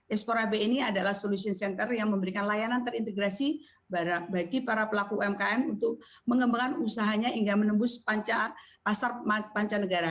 espora b ini adalah solution center yang memberikan layanan terintegrasi bagi para pelaku umkm untuk mengembangkan usahanya hingga menembus pasar mancanegara